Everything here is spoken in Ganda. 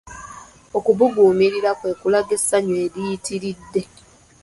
Okubuguumirira kwe kulaga essanyu eriyitiridde